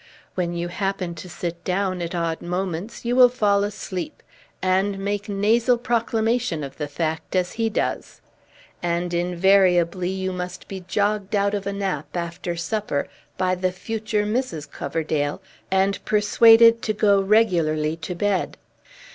When you happen to sit down, at odd moments, you will fall asleep, and make nasal proclamation of the fact, as he does; and invariably you must be jogged out of a nap, after supper, by the future Mrs. Coverdale, and persuaded to go regularly to bed.